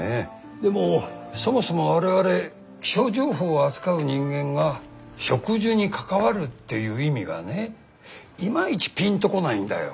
でもそもそも我々気象情報を扱う人間が植樹に関わるっていう意味がねいまいちピンと来ないんだよ。